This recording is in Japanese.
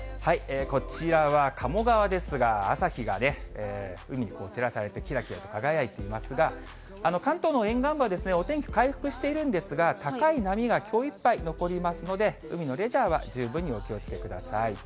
こちらは鴨川ですが、朝日が海に照らされて、きらきら輝いていますが、関東の沿岸部はお天気回復しているんですが、高い波がきょういっぱい残りますので、海のレジャーは十分にお気をつけください。